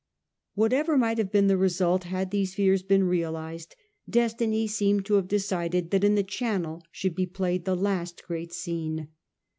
Whatever might have been the result had these fears been realised, destiny seemed to have decided that in the Channel should be played the last great scene.